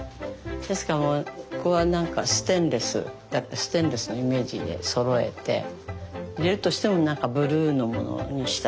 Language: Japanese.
ですからここはステンレスだったらステンレスのイメージでそろえて入れるとしてもブルーのものにしたりとか。